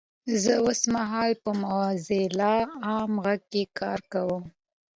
زه اوسمهال په موځیلا عام غږ کې کار کوم 😊!